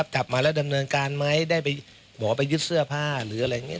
กลับมาแล้วดำเนินการไหมได้ไปหมอไปยึดเสื้อผ้าหรืออะไรอย่างนี้